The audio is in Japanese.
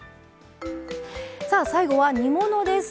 さあ最後は煮物です。